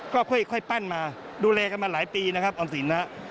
ก็ค่อยปั้นมาดูแลกันมาหลายปีนะครับออมสินนะฮะ